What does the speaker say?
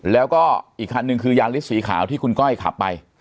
แล้วก็อีกคันหนึ่งคือยาลิสสีขาวที่คุณก้อยขับไป